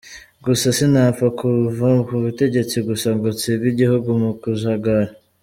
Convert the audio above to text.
Gusa sinapfa kuva ku butegetsi gusa ngo nsige igihugu mu kajagari.